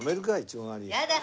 やだ！